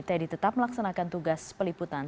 teddy tetap melaksanakan tugas peliputan